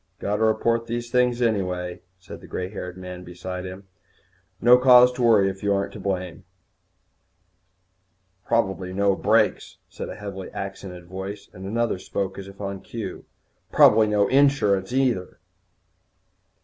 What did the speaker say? "Got to report these things right away," said the grey haired man beside him. "No cause to worry if you ain't to blame." "Probably no brakes," said a heavily accented voice, and another spoke as if on cue, "Probably no insurance, neither."